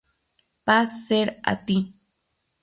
Paz ser a ti.